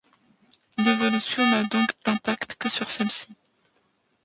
L’évolution n’a donc d’impact que sur celle-ci.